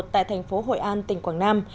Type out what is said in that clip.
tại thành phố hội an tỉnh quảng nam